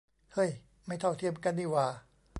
เฮ่ย ไม่เท่าเทียมกันนี่หว่า